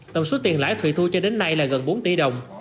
tổng số tiền lãi thùy thu cho đến nay là gần bốn tỷ đồng